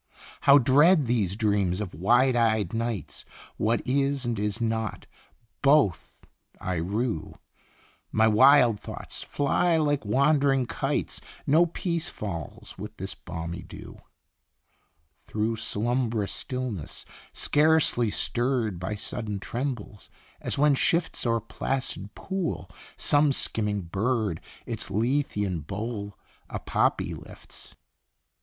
How dread these dreams of wide eyed nights ! What is, and is not, both I rue, My wild thoughts fly like wand'ring kites, No peace falls with this balmy dew. Through slumb'rous stillness, scarcely stirred By sudden trembles, as when shifts O'er placid pool some skimming bird, Its Lethean bowl a poppy lifts.